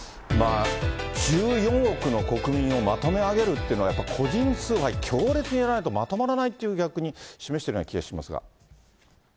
１４億の国民をまとめ上げるというのは、やっぱり個人崇拝、強烈にやらないとまとまらないっていう、逆に示しているような気がしますが。